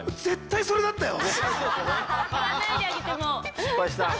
失敗した。